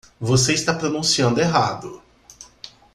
Você está pronunciando errado.